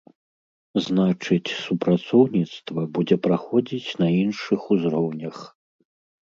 Значыць, супрацоўніцтва будзе праходзіць на іншых узроўнях.